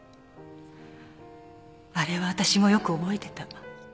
あれはわたしもよく覚えてた。